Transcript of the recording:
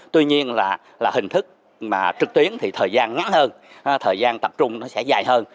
tuy nhiên là hình thức trực tuyến thì thời gian ngắn hơn thời gian tập trung nó sẽ dài hơn